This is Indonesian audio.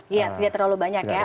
iya tidak terlalu banyak ya